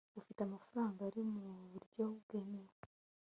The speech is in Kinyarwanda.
ufite amafaranga ari mu buryo bwemewe